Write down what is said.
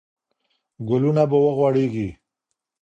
ګلونه به وغوړېږي.